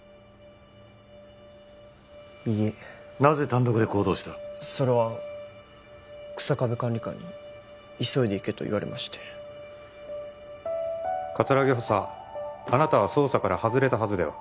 いいえなぜ単独で行動したそれは日下部管理官に急いで行けと言われまして葛城補佐あなたは捜査から外れたはずでは？